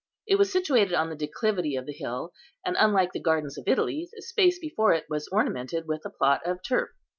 It was situated on the declivity of the hill, and, unlike the gardens of Italy, the space before it was ornamented with a plot of turf.